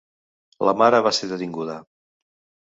La mare va ser detinguda.